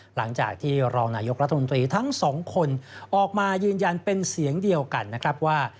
หลังจากที่รองนายกรัฐมนตรีทั้งสองคนออกมายืนยันเป็นเสียงเดียวกันนะครับว่า